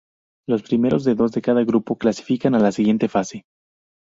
Los primeros dos de cada grupo clasifican a la siguiente fase.